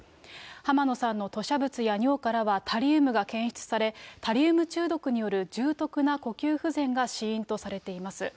浜野さんの吐しゃ物や尿からはタリウムが検出され、タリウム中毒による重篤な呼吸不全が死因とされています。